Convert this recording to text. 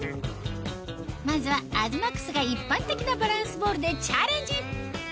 まずは東ＭＡＸが一般的なバランスボールでチャレンジ